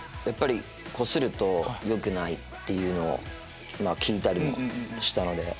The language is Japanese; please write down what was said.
やっぱりこするとよくないっていうのを聞いたりもしたので。